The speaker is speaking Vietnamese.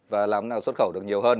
và làm nào xuất khẩu được nhiều hơn